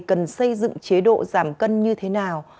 cần xây dựng chế độ giảm cân như thế nào